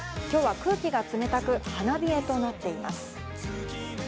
今日は空気が冷たく、花冷えとなっています。